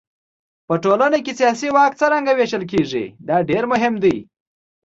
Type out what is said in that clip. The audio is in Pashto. په ټولنه کې سیاسي واک څرنګه وېشل کېږي دا ډېر مهم دی.